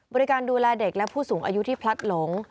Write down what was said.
บริการดูแลเด็กและผู้สูงอายุที่พลัดหลง